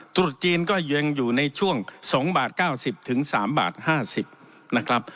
ตรุษจีนก็ยังอยู่ในช่วง๒บาท๙๐๓บาท๕๐นะครับ